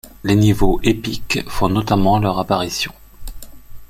Les niveaux épiques font notamment leur apparition.